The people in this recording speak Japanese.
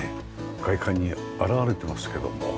外観に表れてますけども。